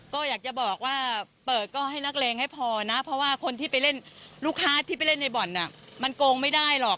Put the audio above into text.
ก็อยากจะบอกว่าเปิดก็ให้นักเลงให้พอนะเพราะว่าคนที่ไปเล่นลูกค้าที่ไปเล่นในบ่อนมันโกงไม่ได้หรอก